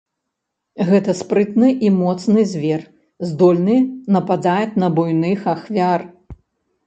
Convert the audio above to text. Гэта спрытны і моцны звер, здольны нападаць на буйных ахвяр.